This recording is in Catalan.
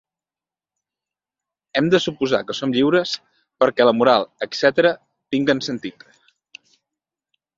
Hem de suposar que som lliures perquè la moral, etcètera, tinguen sentit.